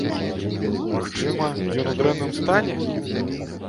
Магчыма, ён у дрэнным стане?